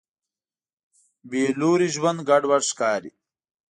بېلوري ژوند ګډوډ ښکاري.